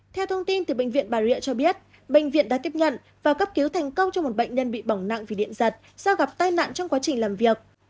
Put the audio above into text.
theo thông tin từ bệnh viện bà rịa cho biết bệnh viện đã tiếp nhận và cấp cứu thành công cho một bệnh nhân bị bỏng nặng vì điện giật do gặp tai nạn trong quá trình làm việc